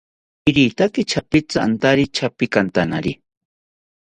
Irotaki chapitzi antari chapikantanari